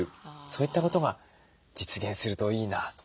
そういったことが実現するといいなと。